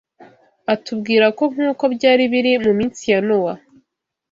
Atubwira ko nk’uko byari biri mu minsi ya Nowa,